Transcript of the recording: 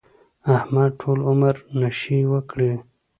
احمد ټول عمر نشې وکړې.